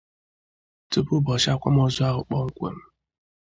Tupu ụbọchị akwamozu ahụ kpọmkwem